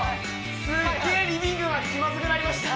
すっげえリビングが気まずくなりました